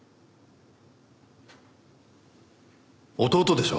弟でしょ？